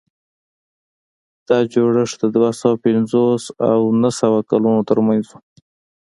دا جوړښت د دوه سوه پنځوس او نهه سوه کلونو ترمنځ و.